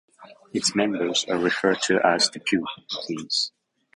Its members are referred to as deputies.